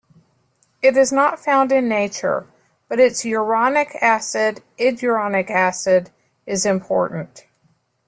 It is not found in nature, but its uronic acid, iduronic acid, is important.